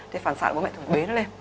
thì phản xạ của bố mẹ thường bế nó lên